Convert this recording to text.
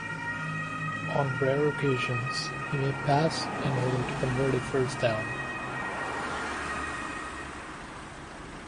On rare occasions, he may pass in order to convert a first down.